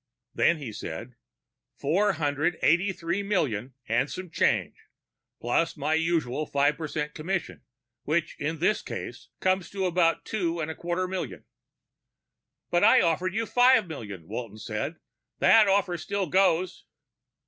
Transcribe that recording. Then he said, "Four hundred eighty three million and some change. Plus my usual five percent commission, which in this case comes to about two and a quarter million." "But I offered you five million," Walton said. "That offer still goes."